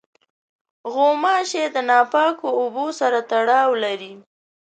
غوماشې د ناپاکو اوبو سره تړاو لري.